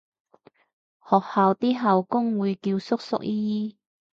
學校啲校工會叫叔叔姨姨